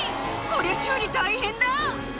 こりゃ、修理大変だ。